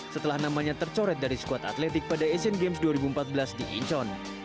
setelah namanya tercoret dari skuad atletik pada asian games dua ribu empat belas di incheon